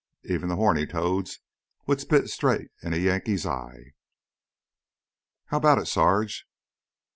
Even the horny toads would spit straight in a Yankee's eye " "How 'bout it, Sarge?"